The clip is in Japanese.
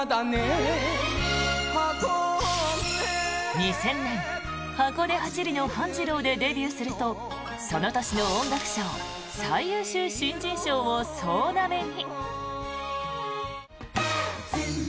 ２０００年「箱根八里の半次郎」でデビューするとその年の音楽賞、最優秀新人賞を総なめに。